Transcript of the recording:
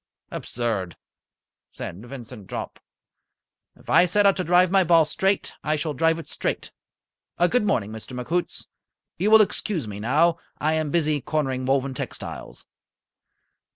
"Absurd!" said Vincent Jopp. "If I set out to drive my ball straight, I shall drive it straight. Good morning, Mr. McHoots. You will excuse me now. I am busy cornering Woven Textiles."